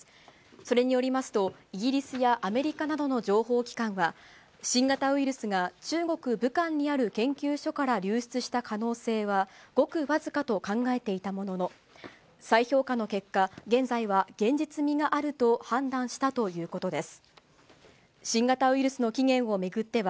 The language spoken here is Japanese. それによりますと、イギリスやアメリカなどの情報機関は、新型ウイルスが中国・武漢にある研究所から流出した可能性は、ごく僅かと考えていたものの、再評価の結果、現在は現実味があると判断したということです。